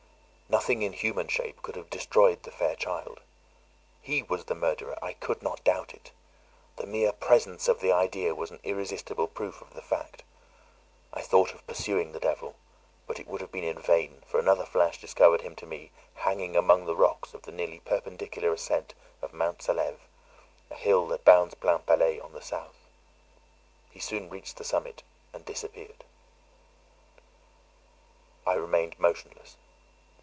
Nothing in human shape could have destroyed the fair child. He was the murderer! I could not doubt it. The mere presence of the idea was an irresistible proof of the fact. I thought of pursuing the devil; but it would have been in vain, for another flash discovered him to me hanging among the rocks of the nearly perpendicular ascent of Mont Salêve, a hill that bounds Plainpalais on the south. He soon reached the summit, and disappeared. I remained motionless.